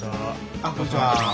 あっこんにちは。